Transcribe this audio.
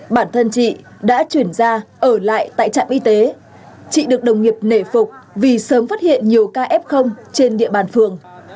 bản thân chị đã chuyển ra ở lại tại trạm y tế chị được đồng nghiệp nể phục vì sớm phát hiện nhiều ca f trên địa bàn phường